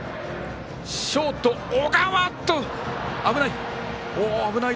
ショート、小川危ない。